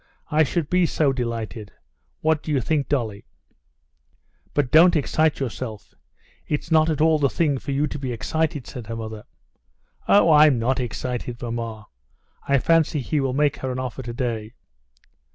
I should be so delighted! What do you think, Dolly?" "But don't excite yourself. It's not at all the thing for you to be excited," said her mother. "Oh, I'm not excited, mamma. I fancy he will make her an offer today."